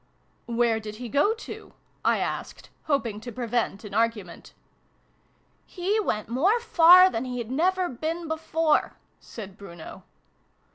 " Where did he go to ?" I asked, hoping to prevent an argument. " He went more far than he'd never been before," said Bruno.